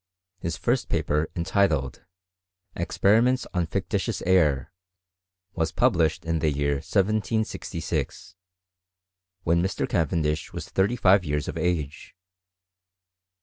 His first paper, entitled,'* Experiments on fictitious Air," was published in the year 1766, when Mr. Caven dish was Uiirty five years of age.